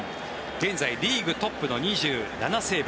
現在リーグトップの２７セーブ。